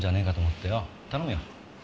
頼むよ。